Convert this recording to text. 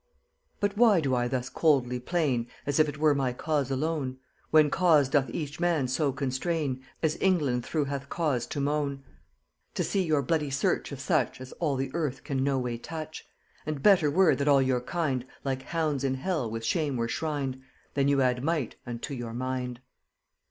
But why do I thus coldly plain As if it were my cause alone? When cause doth each man so constrain As England through hath cause to moan, To see your bloody search of such As all the earth can no way touch. And better were that all your kind Like hounds in hell with shame were shrined, Than you add might unto your mind.